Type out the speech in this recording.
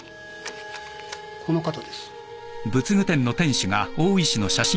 この方です